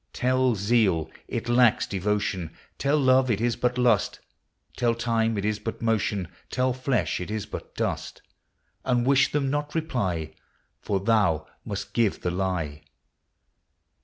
Tell zeale it lacks devotion ; Tell love it is but lust ; Tell time it is but motion ; Tell flesh it is but dust ; And wish them not reply, For thou must give the lye.